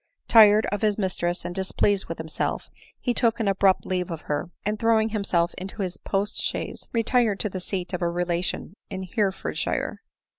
tired of his mistress, and displeased with himself, he took an abrupt leave of her, and throwing himself into his post chaise, retired to the seat of a relation in Hereford shire.